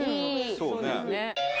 そうね。